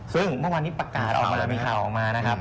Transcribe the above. ซึ่งเมื่อวานนี้ประกาศออกมามีข่าวออกมานะครับ